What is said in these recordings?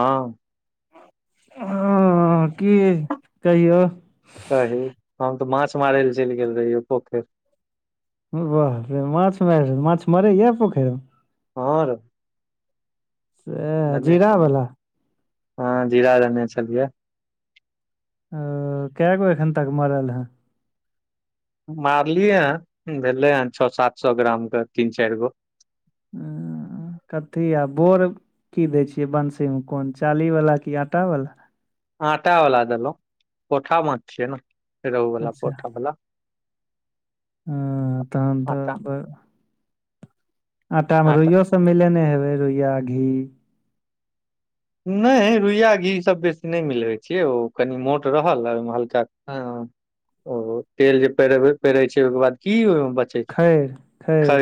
हँ हँ की कहियौ। कही हम तऽ माछ मारै लऽ चलि गेल रहियै पोखर। बाह रे, माछ मारै, माछ मरै पोखरमे। हँ, रऽ से धने जीरा छल। वाला हँ, जीरा देने चलियै। अऽ, कएगो एखन तक मरल ह? मारलियै हँ, भेलै हँ, छओ सात सए ग्रामके तीन चारि गो। आ कथी आ बोरा की दै छियै बंसीमे, कोन चाउरवला आटा वाला? आटा वाला देलौ, पोठा माछ छियै ने, रेहुवाला पोठा वाला। हूँ, तहन आटा तऽ अऽ। आटामे आटा रुइयो सभ मिलेन हेबै, रुइया घी। नहि, रुइय घीसभ बेसी नहि मिलबैत छियै, ओ कनि मोट रहल आ ओहिमे हल्का। हँ, ओ तेल जे पेरब पेरै छै, ओहिके बाद की ओहि बच। खैर खैर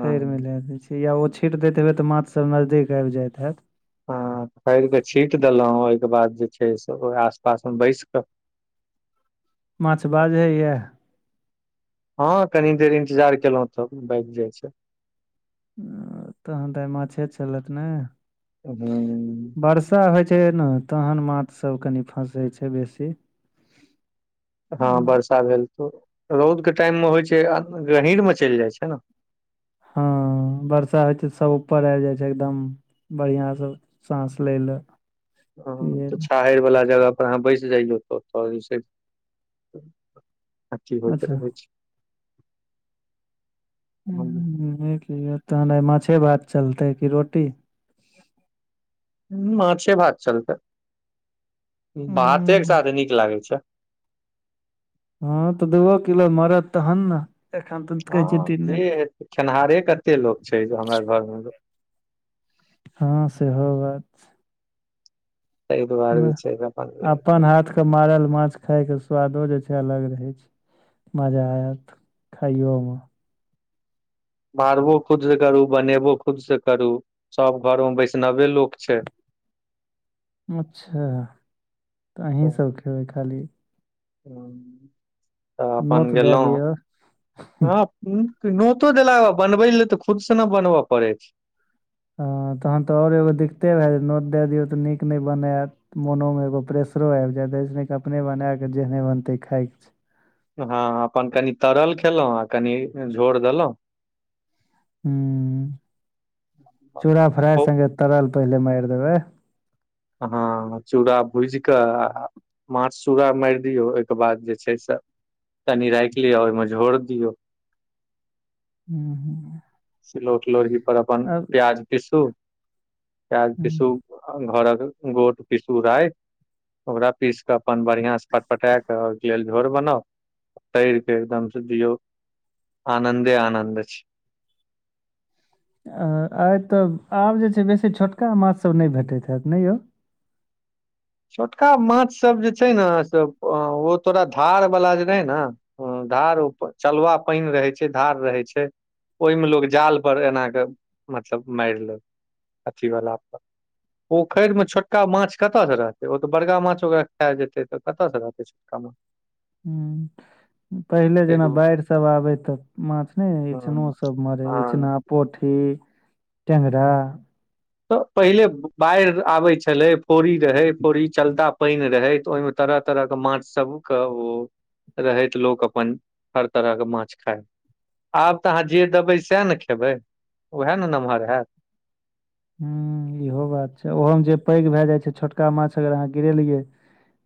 खैरमे लै दै छै। किया ओ छीटि दैत हेतै तऽ माछसभ नजदीक आबि जाइत हेतै। हँ, फेर कऽ छीटि देलौ, ओहिके बाद जे छै से ओहिए आस पासमे बैसि कऽ। माछ बाजैए। हँ, कनी देर इंतजार केलौ तऽ भागि जाइ छै। तहन तऽ माछे छललत ने। हूं वर्षा होइ छै न, तहन माछसभ कनि फँसै छै बेसी। [inaudible] हँ, वर्षा भेल तऽ रौदके टाइममे होइ छै आ गहीरमे चलि जाइ छै न। हँ वर्षा होइ छै तऽ सभ ऊपर आबि जाइ छै, एकदम बढ़िआँसँ साँस लऽ ले। हँ तऽ, छाहरवला जगह। अहाँ बैस जइयौ तऽ तब जे छै, अथी होइत अच्छा रहै छै। हम्म, तहन माछे भात चलतै कि रोटी? माछे भात चलतै, भातेकऽ हूँ साथ नीक लागैत छै। हँ तऽ, दूगो किलो मरत, तहन ने, एखन तऽ कहै छियै दिने। खेनहारे कते लोक छै हमरा घरमे? हँ सेहो बात छै। तऽ दुवारे छै अपन। के मारल माछ खाइके स्वादो जे छै अलग रहै छै। मजा आयत खाइयोमे। मारबो खुदसँ करु, बनेबो खुदसँ करु, सभ घरमे वैष्णव लोक छै। ओ अच्छा, तऽ अहाँ सभ खेबै खाली? तऽ अपन नोत दे गेलौ, दियो हँ। ओ नोतऽ देलऽ बनबै लऽ तऽ खुदसँ न बनबऽ पड़ै छै। हँ, तहन तऽ आओर एगो दिक्कते भए जायत, नोत दैए दियौ तऽ नीक नय बनैत। मोनो में एगो प्रेसरो आबि जायतस अपने बना कऽ जेहने बनतै खाायके छै हँ अपन कनि तरल खेलहुं आ कनि झोर देलहु ह चूरा फ्राइ सगे तरल पहिले मारि देब ह चूरा भुईज क आ माछ चूरा मारि दियौ ओहिके बाद जे छै से तनी राखि लिय ओहिमे झोड़ दियौ हू हूँ सिलौठ लोढ़ी पर अपन प्याज पीसू प्याज पीसु घरक गोट पिसु आय ओकरा पीस क अपन बढ़ियां से पटपटा क ओहिके लेल झोर बनाउ तैर के एकदमसँ दियौ आनन्दे आनन्द अछि आइ तऽ आब जे छै बेसी छोटका माछसभ नय भेटैत हैत नय यौ छोटका माछसब जे छै ने से ओ तोरा धार बला जे रहै ने ह धार चलवा पइन रहै छै धार रहै छै ओइमे लोक जाल परर एना कऽ मतलब मारि ले अथीवला पर पखैर मे छोटका माछ कतऽ स रहत ओ तऽ बड़का माछ ओ खैय जेतै तऽ कतयसँ रहतै छोटका माछ हू पहिले ताहि जेना दुआरे बाढ़ि सब आबे तऽ माछ ने हम्म, इचनोसभ मरे हँ इचना पोठी टेंगरा तऽ पहिले बाइढ़ आबै छलै फोरी रहै फोरी चलता पईन रहे तऽ ओहिमे तरह तरह के माछ सब क हू रहैत लोक अपन हर तरह के माछ खाय आब तऽ अहाँ जे देबै सएह ने खेबै ओएह ने नमहर हैत ह इहो बात छै ओहोमे जे पैघ भए जाइ छै छोटका माछ अगर अहाँ गिरेलिय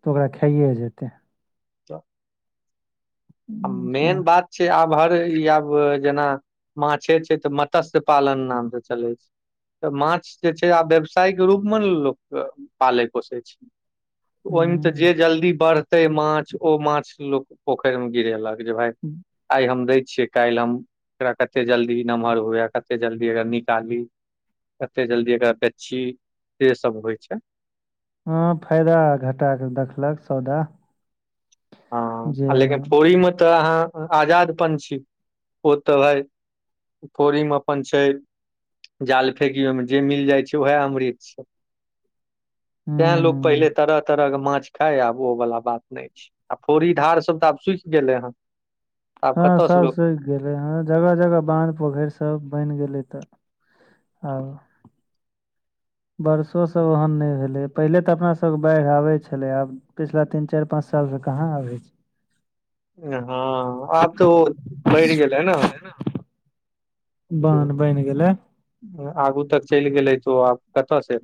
तऽ ओकरा खाइए जेतै त हम्म, समझ मेन बात छे आब हर इ आब जेना माछे छै तऽ मत्स्य पालन नाम से चलै छै तऽ माछ जे छै आब व्यवसायके रूप में ने लोक पालै पोषै छै ओहिमे तऽ जे हुं जल्दी बढ़तै माछ ओ माछ लोक पोखइर मे गिरेलक क भाय आइ हम दै छियै काल्हि हम एकरा कते जल्दी नमहर हुए कते जल्दी निकाली कते जल्दी एकरा बेची से सब होइ छै हं फायदा घटा कऽ देखलक सौदा जे हँ लेकिन फोरी में तऽ अहाँ आजादपन छी ओ तऽ हइ फोरिम अपन छै जाल फेेकी ओहि में जे मिल जाइ छै ओएह अमृत छै तैं लोको हुं पहिले तरह तरह के माछ खाय आब ओ वालला बात नहि छै आ फौड़ी धार सब तऽ आब सुइख गेलै हन आब हँ कतय से सब लोक सी गेलै हं जगह जगह बाँध पोखैर सब बैन गेले एतऽ आब बरसो सभ ओहन नै भेलै पहिले तऽ अपना सभ बाढ़ि आबै छलै आब पिछला तीन चार पाँच साल से कहाँ आबै छै हँ आब तऽ ओ बैढ़ गेलै न बान बइन गेलै आगु तक चलि गेलै तो आब कतऽ से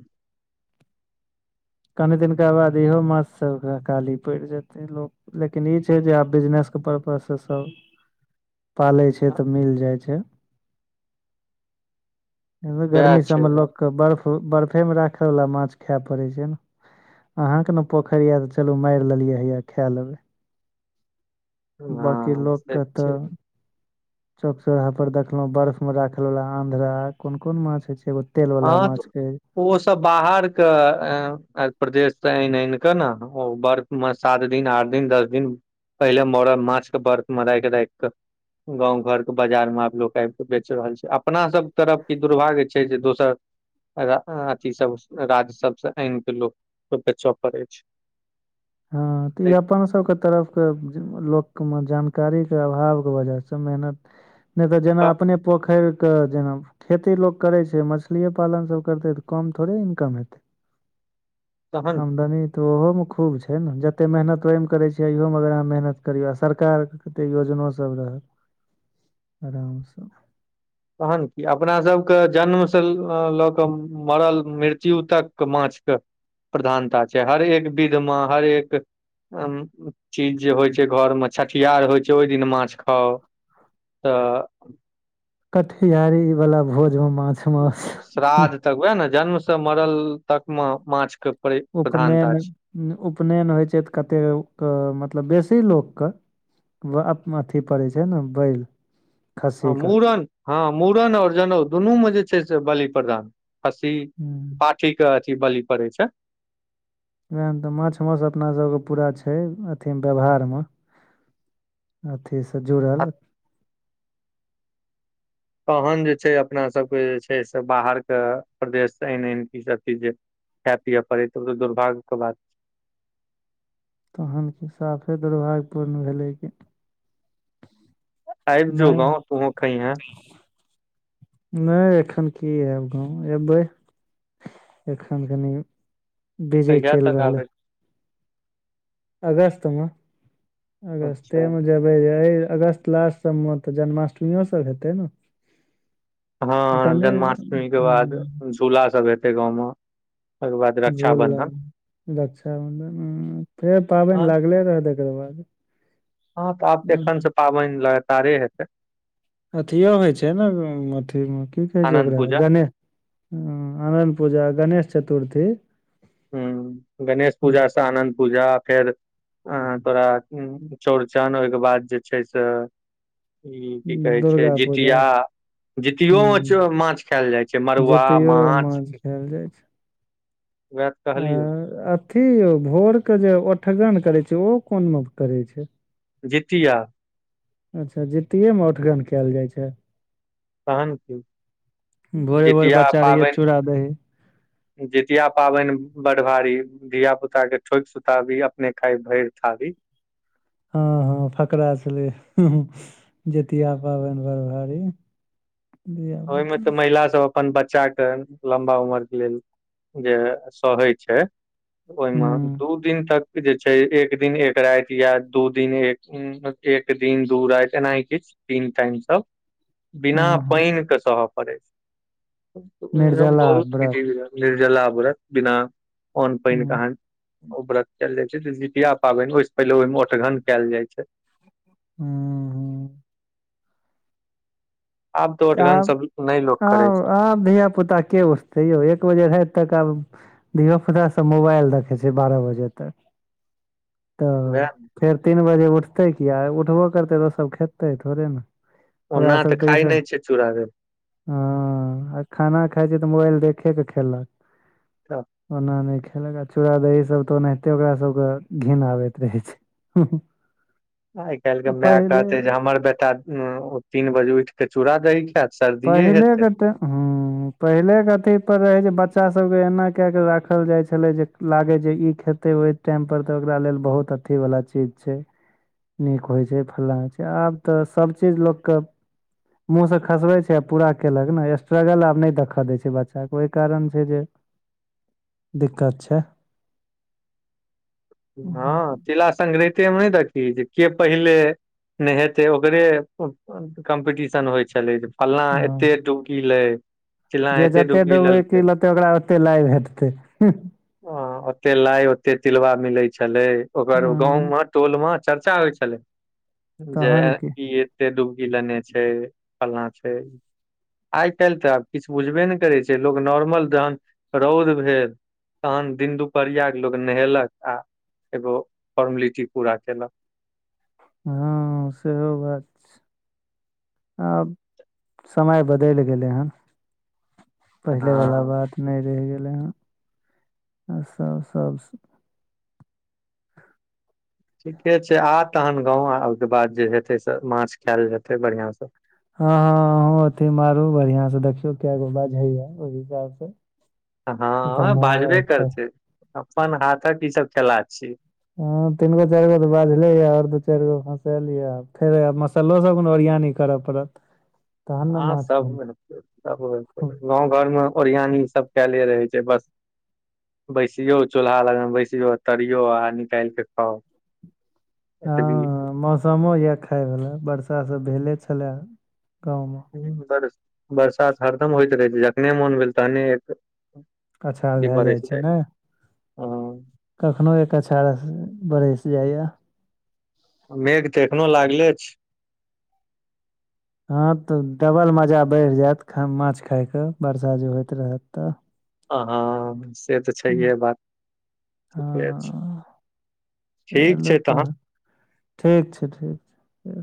कनी दिनका बाद इहो माछ सब के अकाली पैड़ जेतै लोक लेकिन ई छै जे आब बिजनेस के परर्पस से सब [inaudible] पालै छै तऽ मिल जाइ छै वएह गर्मी छै सभमे लोक बात के बर्फ बर्फेमे राखय वला माछ खै पड़ै छै ने अहाँके ने पोखरि यए तऽ चलू मारि लेलियै हैये खे लेबै बाँकी हँ लोक से के छै तऽ चौक चौराहा पर देखलौं बर्फ मे राखल वला आन्ध्रा कोन कोन माछ होय छै एगो तेल वाला हँ माछ तऽ के ओ सब बाहर के प्रदेश से आनि आनि कऽ ने ओ बर्फ सात दिन आठ दिन दस दिन पहिले मरल माछके बर्फ मे राखि राखि कऽ गाँव घर के बाजार मे आब लोक आबि कऽ बेच रहल छै अपना सब तरफ ई दुर्भाग्य छै जे दोस सर अथी सब राज्य सबसँ आनि के लोक के बेचय पड़ै छै हँ तऽ ई नै अपन सबके तरफके लोक के जानकारी के अभाव के वजह से मेहनत [inaudible] नहि तऽ जैमे अपने पोखरि के जेना खेती लोक करै छै मछलिये पालन सभ करतै तऽ कम थोड़े इनकम हेतै [inaudible] तहन आमदनी तऽ ओहोमे खूब छै छै ने जते मेहनत ओहिमे करै छियै अहियोमे अगर अहाँ मेहनत करियौ आ सरकारके कते योजनो सब रहत [inaudible] आरामसँ तखन कि अपनासभके जन्मसँ लऽ कऽ मरल मृत्यु तक माछके प्रधानता छै हर एक विधमे हर एक चीज जे होइ छै घरमे छठिहार होइ छै ओहि दिन माछ खाउ तऽ कठियारी वाला भोज मे माछ माउस श्राद्ध तक वएह ने जन्म से मरल तक मे माछके उपनयन उपनयन होइ छै तऽ कतेकके मतलब बेसी लोकके अथी पड़ैत छै ने बैल हँ खस्सी के मूड़न हँ मूड़न आओर जनउ दुनूमे जे छै से बलि प्रदान खस्सी वएह पाठी के अथी बलि पड़ै छै उएहमे तऽ माछ मास अपनासभके पूरा छै अथिमे व्यवहारमे अथी से आ जुड़ल तहन जे छै अपनासभके जे छै से बाहरके प्रदेशसँ आनि आनि किछ अथि जे खाय पियए पड़ै तब तऽ दुर्भाग्य के बात तहन कि साफे दुर्भाग्य पूर्ण भेलै की आबि जो नहि [inaudible] गाँव तूहो खैहे नहि एखन की आएब गाँव एबै एखन कनि बिजी कहिया चलि तक आबे रहलै अगस्तमे अच्छा अगस्तेमे जब एहि अगस्त लास्ट सभमे तऽ जन्माष्टमीयो सब हेतै ने हँ कनि जन्माष्टमी के बाद हूँ झूला सभ हेतै गाँवमे झूला रक्षाबन्धन फेर हँ पाबनि लागले रहत एकर बाद हँ तऽ आब तऽ एखन से पाबनि लगातारे हेतै अथियो होइ छै ने अथीम की कहै छै आनन्द ओकरा पूजा गणे हूंम्म आनंद पूजा गणेश चतुर्थी हूंम्म गणेश पूजा सँ आनन्द पूजा फेर ऐं तोरा चौड़चन ओहिके बाद जे छै से ई की कहै छै दुर्गा पूजा जितिया जीतियो हूँ मे माछ खायएल जाइ छै मरुआ माछ कएल जाइ छै वएह तऽ कहलियौ आ अथी भोरके जे ओठगन करै छै ओ कोन मे करै छै जितिया अच्छा जितिएमे औठगन कयल जाइ छै तहन की भोरे भोर जितिया बच्चा रहिै पाबनि चूरा दही जितिया पाबनि बड भारी धियिया पुता के ठोकि सुताबी अपने खाय भरि थारी हँ हँ फकरा छलै जतिया पाबनि भर भरी ओहिमे तऽ महिला सब अपन बच्चा के लम्बा उमर के लेल जे सहै छै ओहिमे हूँ दूध दिन तक जे छै एक दिन एक राति या दू दिन एक एक दिन दू रति एनाह किछु तीन टाइम सब बिना हाँ हाँ पानि के सहय पड़ै छैद निर्जला बहुत व्रत जीव [unintelligible] निर्जला व्रत बिना अन्न हूँ पानि कहान ओ व्रत कयल जाइ छै जितिया पाबनि ओहिसँ पहिले ओहिमे ओऔठगन कयल जाइ छै हँ [unintelligible] [unintelligible] आब तऽ ओठगन आब सब नहि लोको करै आब छै आब धिया पुता के उठते यौ एक बजे राति तक आब धियापुता सब मोबाइल देखै छै बारह बजे तक [inaudible] तऽ वएह फेर तीन बजे उठतै कि आ उठबो करतै तऽ ओसभ खेतै थोड़े ने ओना ओकरा सब तऽ ई खाई सब नहि छै चूड़ दे हँ आ खाना खाइ छै तऽ मोबाइल देखे कऽ तऽ खेलक ओ नहि खेलगा चूड़ा दही सब तऽ ओनाहिते ओकरा सबके घिन आबैत रहै छै आइ काल्हि के माय पहिले कहते जे हमर बेटा ओ तीन बजे उठि कऽ चूरा दही खेत पहिलेके तऽ ह पहिलेके अथी पर रहै जे बच्चा सभके एना कए कऽ राखल जाइ छलै जे लागै जे ई खेतै ओ टाइम पर तऽ ओकरा लेल बहुत अथी वला चीज छै नीक होइ छै फल्ला छै आब तऽ सब चीज लोकके मुँह से खसबै छै पूरा केलक ने स्ट्रगल आब नहि देखऽ दय छै बच्चा के ओहि कारण छै जे दिक्कत छै हँ तिला संक्राते मे नहि देखी जे के पहिले नेहेतै ओकरे कम्पीटिशन होइ छलै जे फल्ला हँ एतेक डुबकी लै चिल्लाँ जे एते जते डुबकी डुबै की लेलकै लेतै ओकरा ओते लाइ भेटतै अ ओते लाइ ओते तिलवा मिले छले ओकर गाँव हँ मे टोल मे चर्चा होय छलै जे तहन की ई कते डूबगी लेने छै फलना छै आइ काल्हि तऽ आब किछु बुझबे ने करै छै लोग नॉर्मल जहन रौद भेल तहन दिन दुपहरिया के लोग नहेलक आ एगो फॉर्मेलिटी पूरा केलक हँ सेहो बात छै आब समय बदलि गेलै हन पहिलेवला हँ बात नहि रहि गेलै हन आ सब सब ठीके छै आ तहन गाँव आ ओहिके बाद जे हेतै से माछ खायल जेतै बढ़िआं से हँ हँ अह अथी मारू बढ़िया से देखियो क गो बाज हेय ओहि हिसाब से हँ बाजबे बनाउ करतै अपन हाथक ई सब खेला छै ह तीनगो चारि गो तऽ बाजले य आओर दू चारि गो फसा लिय फेर सलो सब को ओरिया न करऽ पड़त तहन ने हँ माछ सब बनतै मिलत त गाँव घरमे ओरियान इ सब कयले रहै छै बस बैसियो चूल्हा लग में बैसियो तरियो आ निकाल के खाउ एतबी हँ ह मौसमो यए खायवला वरसाभ भेले छलए गाँवमे बरसात हरदम होइत रहै छै जखने मोन भेल तहने अच्छा भ जाइ छै ने ह कखनो एक अछारा बरस जाइएा मेघ तऽ एखनो लागले छै हँ तऽ डबल मजा बढ़ि जायत माछ खायके वर्सा जे होइत रहत तऽ आ से तऽ छैहे बात ठीके छै हँ ठीक चलू छै तऽ तहन ठीक छै ठीक छै